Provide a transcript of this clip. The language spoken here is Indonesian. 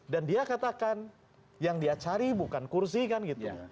dan dia katakan yang dia cari bukan kursi kan gitu